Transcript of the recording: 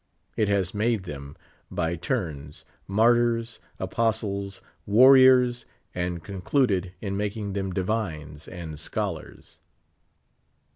It has made them, by turns, martyrs, apostles, warriors, and < oncluded in making them divines and scholars.